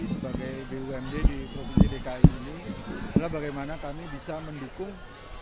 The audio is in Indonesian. sebagai bumd di provinsi dki ini adalah bagaimana kami bisa mendukung